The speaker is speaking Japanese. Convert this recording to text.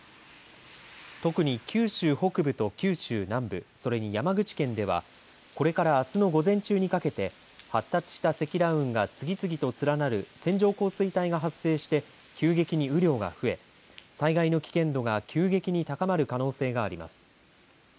特に九州北部と九州南部、それに山口県では、これからあすの午前中にかけて、発達した積乱雲が次々と連なる線状降水帯が発生して、急激に雨量が増え、災害の危険度が急激に高まる可能性があります。